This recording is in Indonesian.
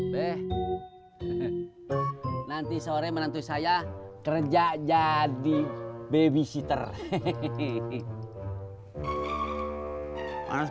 weh nanti sore menantu saya kerja jadi babysitter hehehe